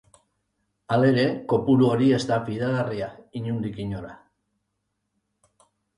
Halere, kopuru hori ez da fidagarria, inondik inora.